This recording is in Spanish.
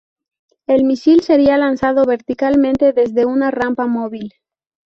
El misil sería lanzado verticalmente desde una rampa móvil.